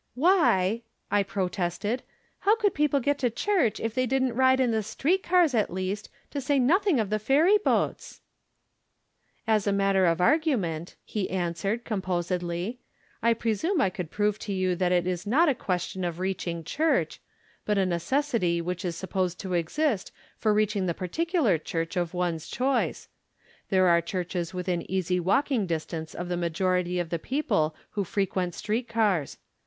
" Why," I protested, " how could people get to church if they didn't ride in the street cars, at least, to say nothing of the ferry boats ?"" As a matter of argument," he answered, com posedly, " I presume I could prove to you that it is not a question of reaching church, but a neces sity which is supposed to exist for reaching the particular church of one's choice. There are churches within easy walking distance of the ma jority of the people who frequent street cars.